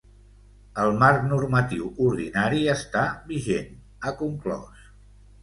El marc normatiu ordinari està vigent, ha conclòs.